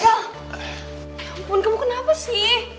ya ampun kamu kenapa sih